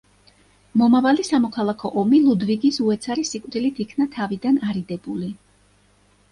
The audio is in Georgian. მომავალი სამოქალაქო ომი ლუდვიგის უეცარი სიკვდილით იქნა თავიდან არიდებული.